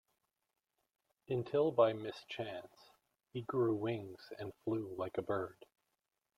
Until by mischance, he grew wings and flew like a bird.